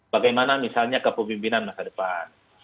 bagaimana misalnya kepemimpinan masa depan